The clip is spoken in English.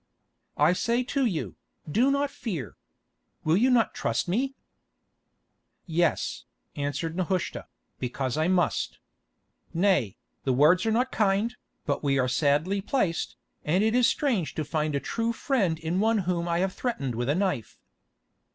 "I say to you, do not fear. Will you not trust me?" "Yes," answered Nehushta, "because I must. Nay, the words are not kind, but we are sadly placed, and it is strange to find a true friend in one whom I have threatened with a knife."